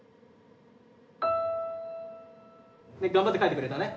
頑張って書いてくれたね。